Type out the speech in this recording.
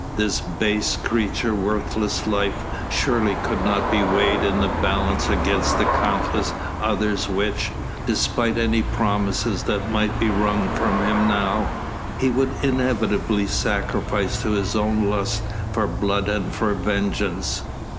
This base creature's worthless life surely could not be weighed in the balance against the countless others which despite any promises that might be wrung from him now he would inevitably sacrifice to his own lust for blood and for revenge.